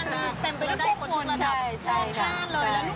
คือแบบบรรยากาศตรงนี้